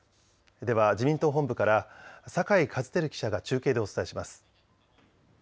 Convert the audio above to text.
では自民党本部から坂井一照記者が中継でお伝えします。